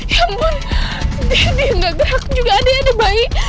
ya ampun dia gak gerak juga ade ade bayi